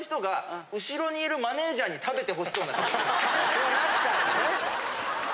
そうなっちゃうんだね。